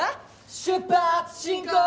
出発進行！